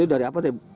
itu dari apa deh